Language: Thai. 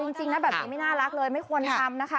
จริงนะแบบนี้ไม่น่ารักเลยไม่ควรทำนะคะ